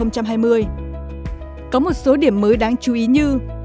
có một số điểm mới đáng chú ý như